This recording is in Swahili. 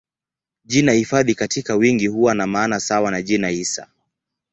Jina hifadhi katika wingi huwa na maana sawa na jina hisa.